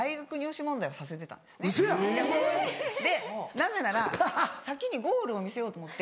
なぜなら先にゴールを見せようと思って。